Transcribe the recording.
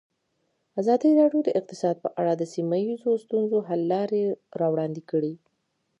ازادي راډیو د اقتصاد په اړه د سیمه ییزو ستونزو حل لارې راوړاندې کړې.